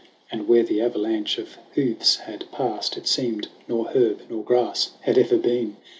And where the avalanche of hoofs had passed It seemed nor herb nor grass had ever been.